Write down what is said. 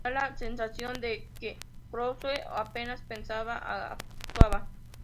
Da la sensación de que Crusoe apenas pensaba: actuaba.